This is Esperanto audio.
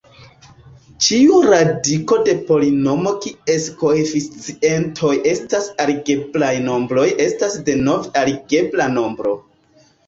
Ĉiu radiko de polinomo kies koeficientoj estas algebraj nombroj estas denove algebra nombro.